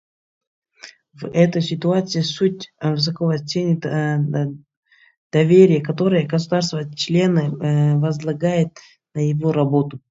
В этой ситуации Суд высоко ценит доверие, которое государства-члены возлагают на его работу.